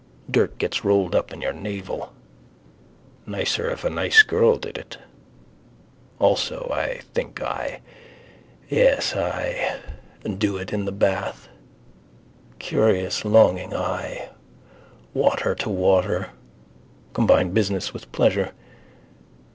Dirt gets rolled up in your navel. Nicer if a nice girl did it. Also I think I. Yes I. Do it in the bath. Curious longing I. Water to water. Combine business with pleasure.